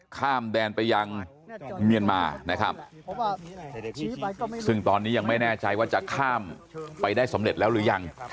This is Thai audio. ข้ามแดนไปยังเมียนมานะครับซึ่งตอนนี้ยังไม่แน่ใจว่าจะข้ามไปได้สำเร็จแล้วหรือยัง